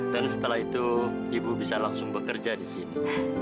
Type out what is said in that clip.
dan setelah itu ibu bisa langsung bekerja di sini